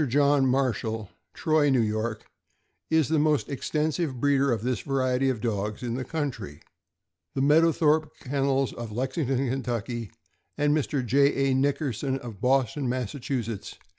John Marshall, Troy, N. Y., is the most extensive breeder of this variety of dogs in the country. The Mead owthorpe Kennels, of Lexington, Ky., and Mr. J. A. Nick erson, of Boston, Mass.